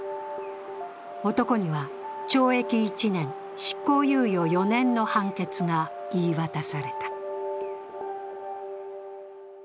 男には懲役１年、執行猶予４年の判決が言い渡された。